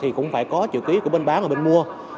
thì cũng phải có chữ ký của bên bán và bên mua